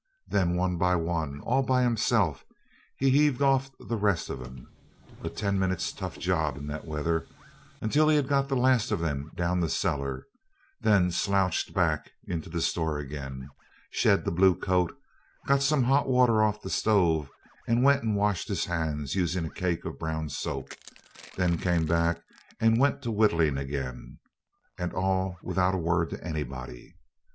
Then one by one, all by himself, he heaved off the rest of them, a ten minutes' tough job in that weather, until he had got the last of them down the cellar; then slouched back into the store again, shed the blue coat, got some hot water off the stove and went and washed his hands, using a cake of brown soap, then came back and went to whittling again, and all without a word to anybody.